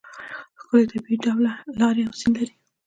ښکلې طبیعي ډوله لارې او سیند لري.